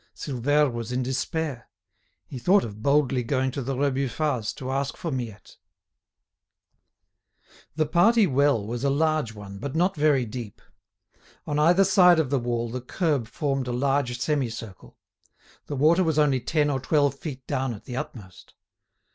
Silvère was in despair; he thought of boldly going to the Rebufats to ask for Miette. The party well was a large one, but not very deep. On either side of the wall the curb formed a large semicircle. The water was only ten or twelve feet down at the utmost.